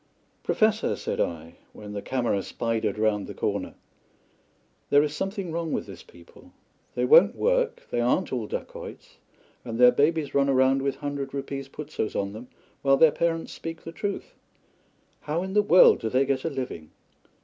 "Professor," said I, when the camera spidered round the corner, "there is something wrong with this people. They won't work, they aren't all dacoits, and their babies run about with hundred rupees putsoes on them, while their parents speak the truth. How in the world do they get a living?"